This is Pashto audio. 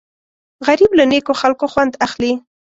غریب له نیکو خلکو خوند اخلي